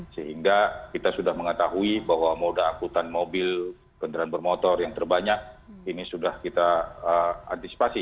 sehingga kita sudah mengetahui bahwa moda angkutan mobil kendaraan bermotor yang terbanyak ini sudah kita antisipasi